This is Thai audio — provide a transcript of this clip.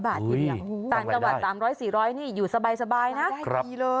ต่างตะวัน๓๐๐๔๐๐นี่อยู่สบายนะ